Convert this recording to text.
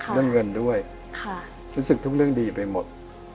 เรื่องเงินด้วยรู้สึกทุกเรื่องดีไปหมด